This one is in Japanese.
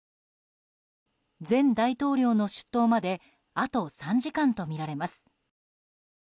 前大統領の出頭まであと３時間とみられます。